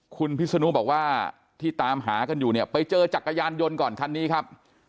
คุณพิศนุบอกว่าที่ตามหากันอยู่เนี่ยไปเจอจักรยานยนต์ก่อนคันนี้ครับ